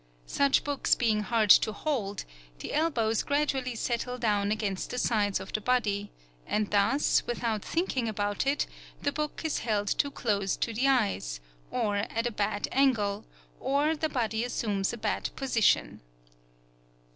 Such books being hard to hold, the elbows gradually settle down against the sides of the body, and thus, without thinking about it, the book is held too close to the eyes, or at a bad angle, or the body assumes a bad position.